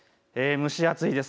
蒸し暑いです。